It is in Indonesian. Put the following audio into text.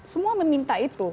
semua meminta itu